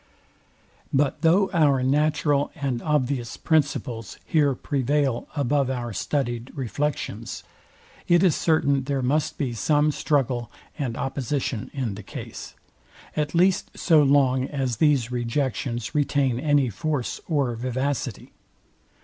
But though our natural and obvious principles here prevail above our studied reflections, it is certain there must be sonic struggle and opposition in the case: at least so long as these rejections retain any force or vivacity.